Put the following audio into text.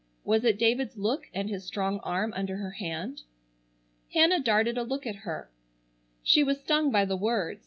Was it David's look and his strong arm under her hand? Hannah darted a look at her. She was stung by the words.